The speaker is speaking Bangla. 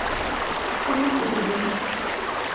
অন্য সিটে গিয়ে বসো।